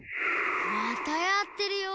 またやってるよ。